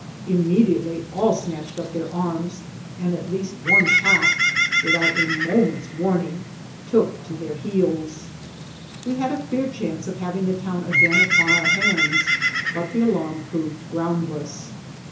Immediately all snatch ed up their arms, and at least one half, without a mo ment's warning, took to their heels. We had a fair chance of having the town again upon our hands, but the alarm proved groundless.